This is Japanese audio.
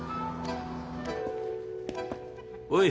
おい。